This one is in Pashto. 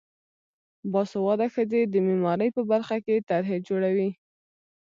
باسواده ښځې د معماری په برخه کې طرحې جوړوي.